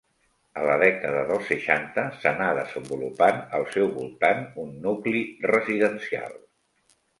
A la dècada dels seixanta s'anà desenvolupant al seu voltant un nucli residencial.